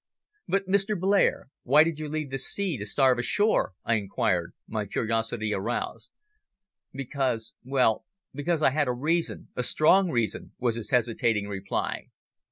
"But, Mr. Blair, why did you leave the sea to starve ashore?" I inquired, my curiosity aroused. "Because well, because I had a reason a strong reason," was his hesitating reply.